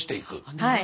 はい。